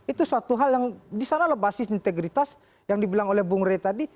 itu suatu hal yang disana lepas integritas yang dibilang oleh bung re tadi